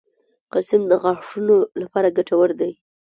کلسیم د غاښونو لپاره ګټور دی